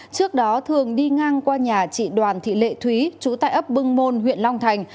trước đó thường đi ngang qua nhà chị đoàn thị lệ thúy chú tại ấp bưng môn huyện long thành